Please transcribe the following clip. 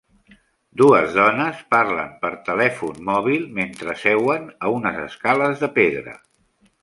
Dues dones parlen per telèfon mòbil mentre seuen a unes escales de pedra